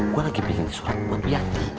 gue lagi bikin surat buat biar